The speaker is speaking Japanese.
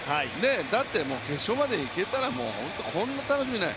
だって決勝まで行けたら、こんな楽しみはない。